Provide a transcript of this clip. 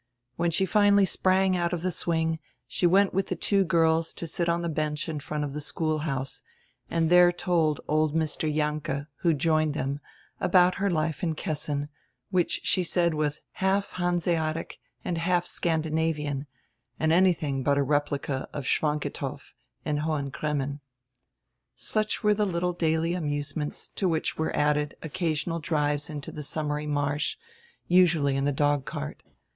When she finally sprang out of die swing, she went widi the two girls to sit on die bench in front of die schoolhouse and diere told old Mr. Jahnke, who joined diem, about her life in Kessin, which she said was half hanseatic and half Scandinavian, and anything but a replica of Schwantikow and Hohen Cremmen. Such were die little daily amusements, to which were added occasional drives into die summery marsh, usually in die dog cart.